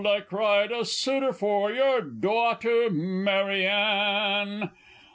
I cried, "a suitor for your daughter, Mary Ann!"